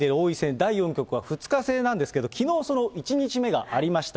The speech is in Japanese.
第４局は２日制なんですけれども、きのう、１日目がありました。